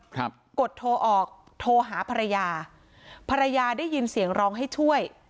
กดโทรออกโทรหาภรรยาภรรยาได้ยินเสียงร้องให้ช่วย